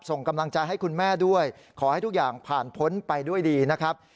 ส่งกำลังใจให้คุณแม่ด้วยขอให้ทุกอย่างผ่านพ้นไปด้วยดีนะครับ